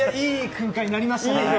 いい空間になりましたね。